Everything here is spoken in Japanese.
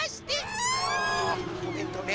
あおべんとうね。